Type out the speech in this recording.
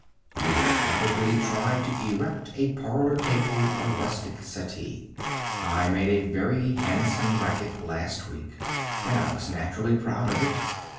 You will probable try to erect a parlor table or rustic settee. I made a very handsome bracket last week, and I was naturally proud of it.